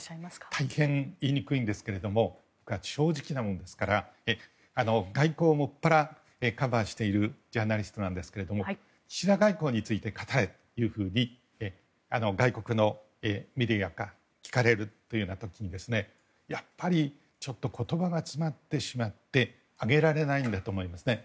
大変、言いにくいんですが正直なものですから外交をもっぱらカバーしているジャーナリストなんですけども岸田外交について語れと外国のメディアから聞かれるという時にやっぱり、ちょっと言葉が詰まってしまってあげられないんだと思いますね。